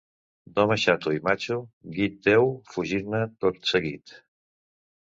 D'home xato i matxo guit deus fugir-ne tot seguit.